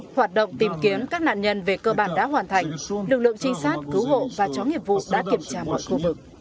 hoạt động tìm kiếm các nạn nhân về cơ bản đã hoàn thành lực lượng trinh sát cứu hộ và chó nghiệp vụ đã kiểm tra mọi khu vực